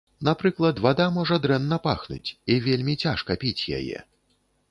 Напрыклад, вада можа дрэнна пахнуць, і вельмі цяжка піць яе.